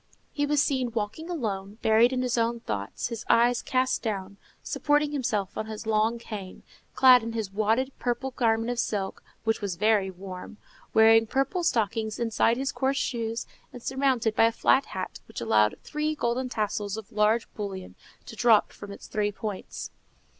He was seen walking alone, buried in his own thoughts, his eyes cast down, supporting himself on his long cane, clad in his wadded purple garment of silk, which was very warm, wearing purple stockings inside his coarse shoes, and surmounted by a flat hat which allowed three golden tassels of large bullion to droop from its three points.